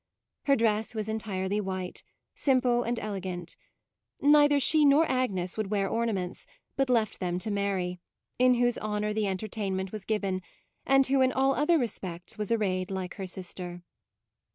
Her dress was entirely white; simple and elegant. Neither she nor Agnes would wear ornaments, but left them to Mary, in whose honour the entertainment was given, and who in all other respects was arrayed like her sister.